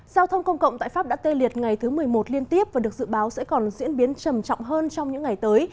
giao thông công cộng tại pháp đã tê liệt ngày thứ một mươi một liên tiếp và được dự báo sẽ còn diễn biến trầm trọng hơn trong những ngày tới